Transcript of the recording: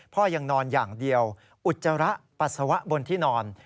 พ่อยังนอนอย่างเดียวอุจจาระปัสสาวะบนที่นอน